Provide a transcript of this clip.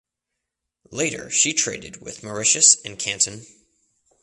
Later she traded with Mauritius and Canton.